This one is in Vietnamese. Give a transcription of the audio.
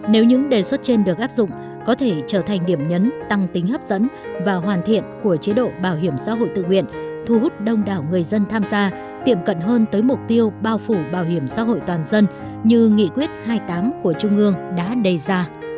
nếu những đề xuất trên được áp dụng có thể trở thành điểm nhấn tăng tính hấp dẫn và không hưởng bảo hiểm xã hội